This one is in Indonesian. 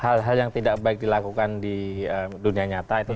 pertama hal hal yang tidak baik dilakukan di dunia nyata itu tidak baik